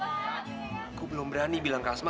aku belum berani bilang ke asma